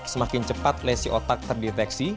semakin cepat lesi otak terdeteksi